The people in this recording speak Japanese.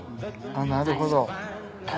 なるほど。